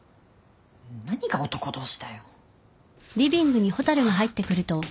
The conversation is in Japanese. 何が男同士だよ。